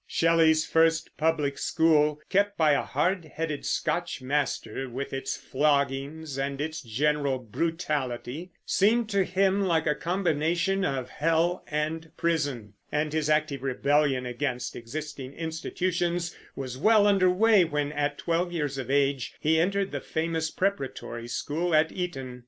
Shelley's first public school, kept by a hard headed Scotch master, with its floggings and its general brutality, seemed to him like a combination of hell and prison; and his active rebellion against existing institutions was well under way when, at twelve years of age, he entered the famous preparatory school at Eton.